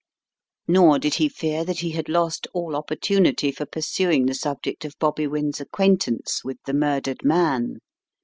Nor did he fear that he had lost all opportunity for pursuing the subject of Bobby Wynne's acquaint ance with the murdered man.